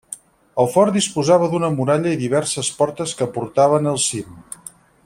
El fort disposava d'una muralla i diverses portes que portaven al cim.